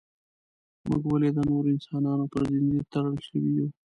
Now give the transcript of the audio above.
موږ ولې د نورو انسانانو پر زنځیر تړل شوي یو.